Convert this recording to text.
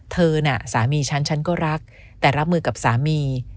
เธอน่ะสามีฉันฉันก็รักแต่รับมือกับสามี